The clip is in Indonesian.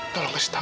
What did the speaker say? tolong kasih tau